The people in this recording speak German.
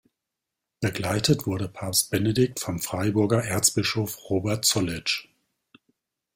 Begleitet wurde Papst Benedikt vom Freiburger Erzbischof Robert Zollitsch.